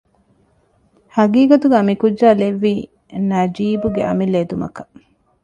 ހަޤީޤަތުގައި މިކުއްޖާ ލެއްވީ ނަޖީބުގެ އަމިއްލަ އެދުމަކަށް